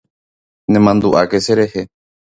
Nemandu'áke cherehe.